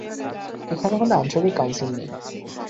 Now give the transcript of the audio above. এখানে কোন আঞ্চলিক কাউন্সিল নেই।